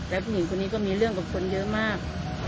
แล้วผู้หญิงคนนี้ก็มีเรื่องกับคนเยอะมาก